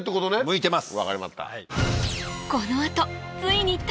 向いてます。